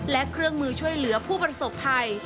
และเครื่องมือช่วยเหลือผู้ประสบภัย